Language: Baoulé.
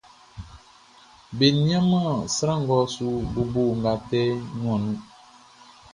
Be nianman sran ngʼɔ su bobo nʼgatɛ nuanʼn nun.